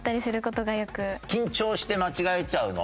緊張して間違えちゃうの？